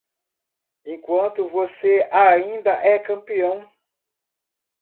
Enquanto você ainda é campeão!